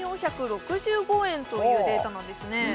３４６５円というデータなんですね